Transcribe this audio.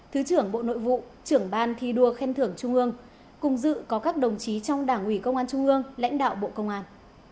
thứ trưởng bộ nội vụ trưởng ban thi đua khen thưởng trung ương cùng dự có các đồng chí trong đảng ủy công an trung ương lãnh đạo bộ công an